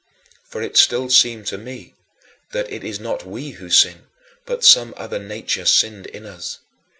For it still seemed to me "that it is not we who sin, but some other nature sinned in us."